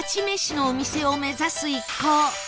めしのお店を目指す一行